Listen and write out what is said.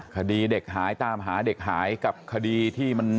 คดีเด็กหายตามหาเด็กหายกับคดีที่มัน